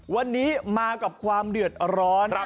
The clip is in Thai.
วันนี้มากับความเดือดร้อน